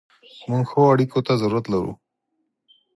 موږ ښو اړیکو ته ضرورت لرو.